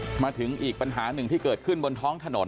มาถึงอีกปัญหาหนึ่งที่เกิดขึ้นบนท้องถนน